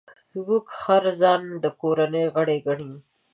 زموږ خر ځان د کورنۍ غړی ګڼي.